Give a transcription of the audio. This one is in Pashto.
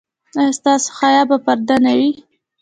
ایا ستاسو حیا به پرده نه وي؟